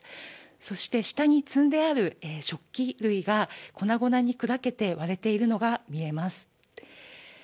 そして下に積んである食器類が粉々に砕けて割れているのが見えます。